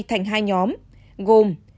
thành hai nhóm gồm